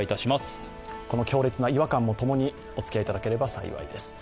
この強烈な違和感も共に、おつきあいいただければ幸いです。